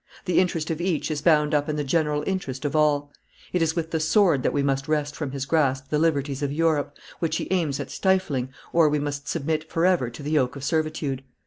The interest of each is bound up in the general interest of all. It is with the sword that we must wrest from his grasp the liberties of Europe, which he aims at stifling, or we must submit forever to the yoke of servitude.